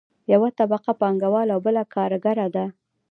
یوه طبقه پانګوال او بله کارګره ده.